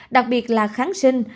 đặc biệt là kháng sinh